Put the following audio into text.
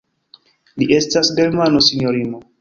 Li estas Germano, sinjorino.